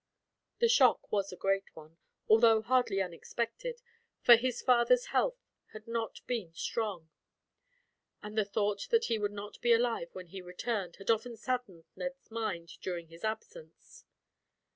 The shock was a great one, although hardly unexpected, for his father's health had not been strong; and the thought that he would not be alive, when he returned, had often saddened Ned's mind during his absence.